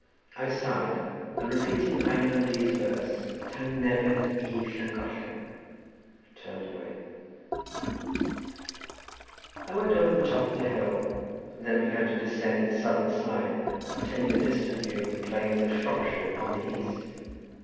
I sighed, and repeating Einion Du's verse "Tangnefedd i Llangollen!" turned away. I went over the top of the hill, and then began to descend its southern side, obtaining a distant view of the plains of Shropshire on the east.